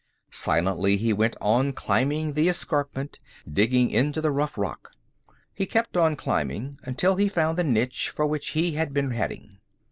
Silently he went on climbing the escarpment, digging into the rough rock. He kept on climbing until he found the niche for which he had been heading.